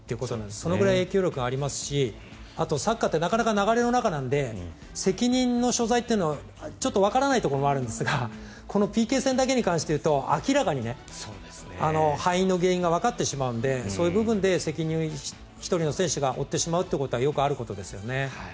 そのぐらい影響力がありますしあと、サッカーってなかなか、流れの中なので責任の所在っていうのはちょっとわからないところはあるんですがこのＰＫ戦だけに関して言うと明らかに敗因、原因がわかってしまうのでそういう部分で責任を１人の選手が負ってしまうということはよくあることですよね。